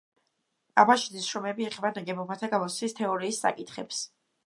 აბაშიძის შრომები ეხება ნაგებობათა გამოცდის თეორიის საკითხებს.